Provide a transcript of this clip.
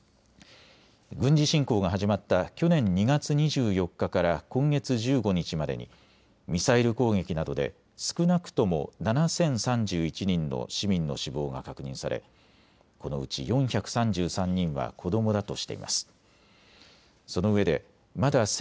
軍事侵攻が始まった去年２月２４日から今月１５日までにミサイル攻撃などで少なくとも７０３１人の市民の死亡が確認されこのうち４３３人は子どもだとしています。